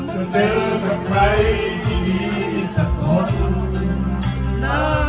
จะเจอกับใครที่มีสักคนนะ